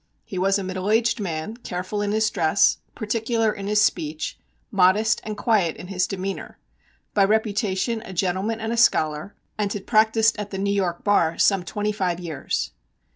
He was a middle aged man, careful in his dress, particular in his speech, modest and quiet in his demeanor, by reputation a gentleman and a scholar, and had practised at the New York bar some twenty five years.